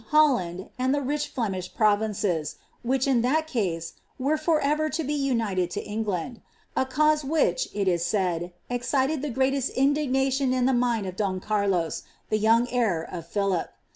Holland and the rich Flemish provinces, which, in that ease, were for ever to be united lo England ; a clause which, ii is said, ex cited ibe greatest indignation in the mind of Don Carlos, the young heir of Philip.